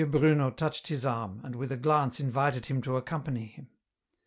Bruno touched his arm, and with a glance invited him to accompany him.